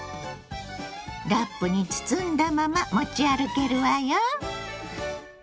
ラップに包んだまま持ち歩けるわよ。